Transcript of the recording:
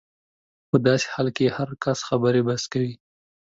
په داسې حالت کې هر کس خبرې بس کوي.